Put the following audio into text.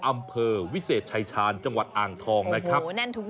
อำเภอวิเศษชายชาญจังหวัดอ่างทองนะครับ